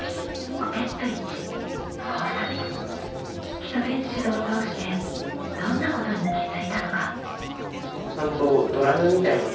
基礎練習を通してどんなことに気づいたのか？